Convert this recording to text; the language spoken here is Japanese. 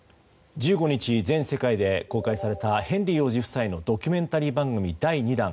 １５日、全世界で公開されたヘンリー王子夫妻のドキュメンタリー番組第２弾。